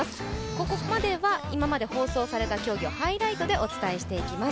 ここまでは今まで放送された競技をハイライトでお伝えしていきます。